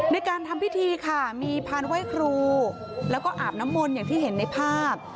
ในการทำพิธีค่ะมีพานไหว้ครูแล้วก็อาบน้ำมนต์อย่างที่เห็นในภาพ